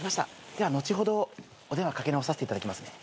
では後ほどお電話かけ直させていただきますね。